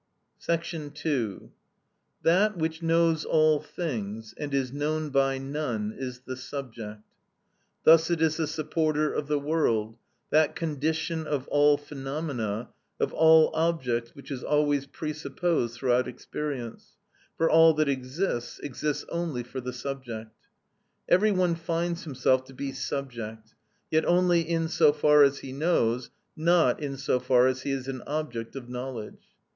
§ 2. That which knows all things and is known by none is the subject. Thus it is the supporter of the world, that condition of all phenomena, of all objects which is always pre supposed throughout experience; for all that exists, exists only for the subject. Every one finds himself to be subject, yet only in so far as he knows, not in so far as he is an object of knowledge.